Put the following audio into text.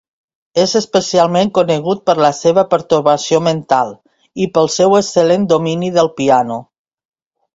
És especialment conegut per la seva pertorbació mental i pel seu excel·lent domini del piano.